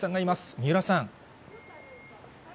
三浦さん。